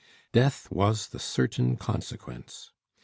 Death was the certain consequence.